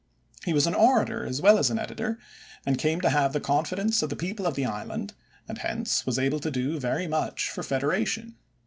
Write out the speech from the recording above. He was an orator as well as an editor, and came to have the confidence of the people of the island, and hence was able to do very much for federation.